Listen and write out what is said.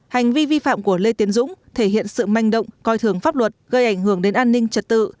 hành vi vi phạm của lê tiến dũng thể hiện sự manh động coi thường pháp luật gây ảnh hưởng đến an ninh trật tự